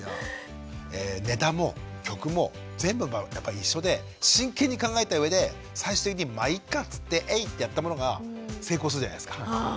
ネタも曲も全部やっぱり一緒で真剣に考えた上で最終的にまいっかっつってエイッてやったものが成功するじゃないですか。